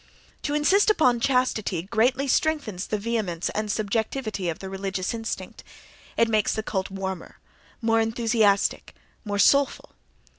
To insist upon chastity greatly strengthens the vehemence and subjectivity of the religious instinct—it makes the cult warmer, more enthusiastic, more soulful.